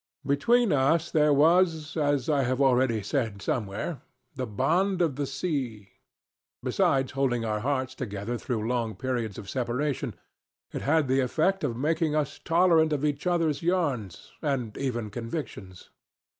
Between us there was, as I have already said somewhere, the bond of the sea. Besides holding our hearts together through long periods of separation, it had the effect of making us tolerant of each other's yarns and even convictions.